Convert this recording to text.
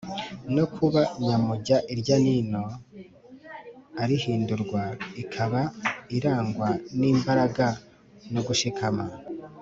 no kuba nyamujya irya n’ino irahindurwa ikaba irangwa n’imbaraga no gushikama